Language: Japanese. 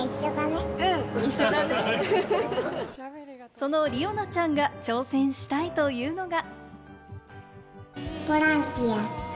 その、理央奈ちゃんが挑戦したいというのが。